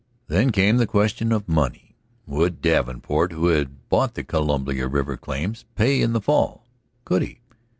Then came the question of money. Would Davenport, who had bought the Columbia River claims, pay in the fall? Could he?